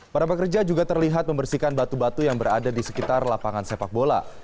para pekerja juga terlihat membersihkan batu batu yang berada di sekitar lapangan sepak bola